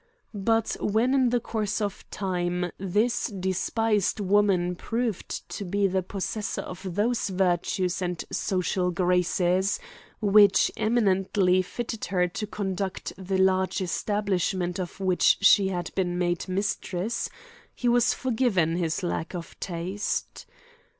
But when in the course of time this despised woman proved to be the possessor of those virtues and social graces which eminently fitted her to conduct the large establishment of which she had been made mistress, he was forgiven his lack of taste.